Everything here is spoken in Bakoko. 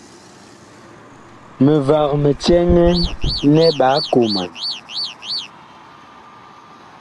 Mivag mi cɛŋɛ nɛ ɓaa koman.